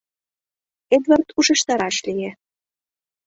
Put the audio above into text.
— Эдвард ушештараш лие.